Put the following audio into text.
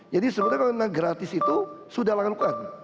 jadi sebenarnya kalau gratis itu sudah lakukan